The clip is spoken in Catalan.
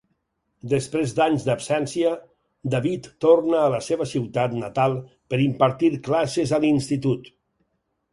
Després d'anys d'absència, David torna a la seva ciutat natal per impartir classes a l'institut.